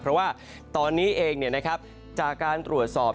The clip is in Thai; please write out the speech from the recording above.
เพราะว่าตอนนี้เองจากการตรวจสอบ